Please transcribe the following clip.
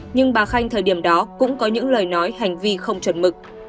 nhưng bà khanh thời điểm đó cũng có những lời nói hành vi không chuẩn mực